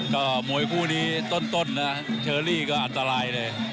ก็มวยคู่นี้ต้นนะเชอรี่ก็อันตรายเลย